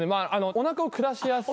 おなかをくだしやすく。